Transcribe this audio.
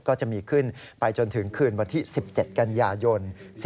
ก็จะมีขึ้นไปจนถึงคืนวันที่๑๗กันยายน